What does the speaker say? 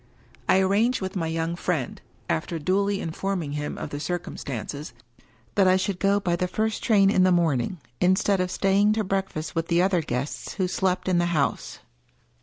I arranged with my young friend — ^after duly informing him of the circumstances — ^that I should go by the first train in the morning, instead of staying to break fast with the other guests who slept in the house.